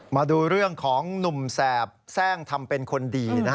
มาดูเรื่องของหนุ่มแสบแทร่งทำเป็นคนดี